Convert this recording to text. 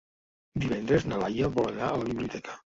Divendres na Laia vol anar a la biblioteca.